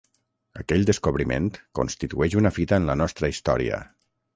Aquell descobriment constitueix una fita en la nostra història.